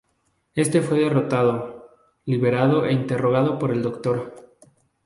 Este fue derrotado, liberado e interrogado por el doctor.